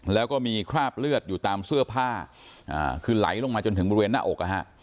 แล้วก็มีคราบเลือดอยู่ตามเสื้อผ้าคือไหลลงมาจนถึงบริเวณหน้าอก